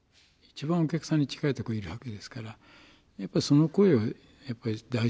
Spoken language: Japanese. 一番お客さんに近いとこいるわけですからやっぱりその声はやっぱり大事にしないとね。